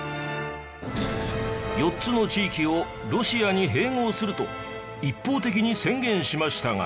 ４つの地域をロシアに併合すると一方的に宣言しましたが。